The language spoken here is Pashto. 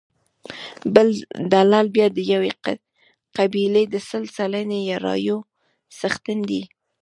بل دلال بیا د یوې قبیلې د سل سلنې رایو څښتن دی.